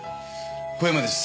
小山です。